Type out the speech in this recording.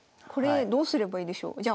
これどうすればいいでしょう？